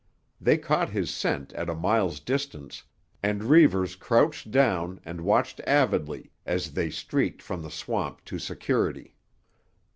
They caught his scent at a mile's distance, and Reivers crouched down and watched avidly as they streaked from the swamp to security.